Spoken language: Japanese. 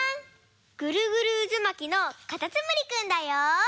ぐるぐるうずまきのかたつむりくんだよ！